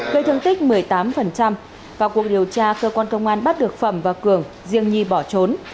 gây thương tích một mươi tám vào cuộc điều tra cơ quan công an bắt được phẩm và cường riêng nhi bỏ trốn